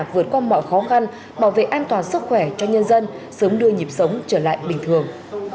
vượt qua mọi khó khăn bảo vệ an toàn sức khỏe cho nhân dân sớm đưa nhịp sống trở lại bình thường